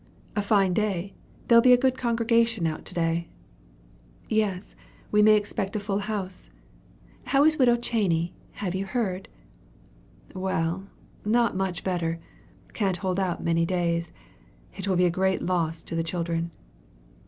"A fine day! There'll be a good congregation out to day." "Yes; we may expect a house full. How is Widow Cheney have you heard?" "Well, not much better; can't hold out many days. It will be a great loss to the children."